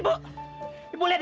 ibu lihat itu istri saya